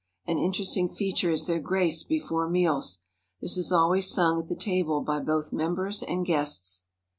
An interesting feature is their grace before meals. This is always sung at the table by both members and guests.